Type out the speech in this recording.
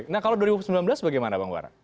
nah kalau dua ribu sembilan belas bagaimana bang wara